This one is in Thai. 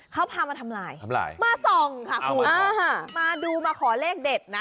เขาพามาทำลายทำลายมาส่องค่ะคุณมาดูมาขอเลขเด็ดนะ